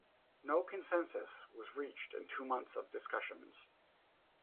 No consensus was reached in two months of discussions.